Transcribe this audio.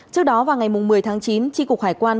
trước đó vào ngày một mươi tháng chín tri cục hải quan